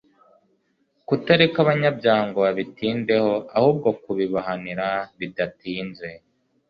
kutareka abanyabyaha ngo babitindeho ahubwo kubibahanira bidatinze